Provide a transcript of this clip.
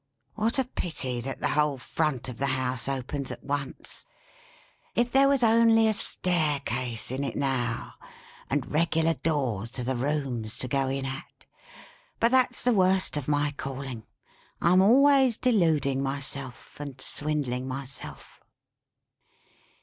What a pity that the whole front of the house opens at once! If there was only a staircase in it now, and regular doors to the rooms to go in at! But that's the worst of my calling, I'm always deluding myself, and swindling myself."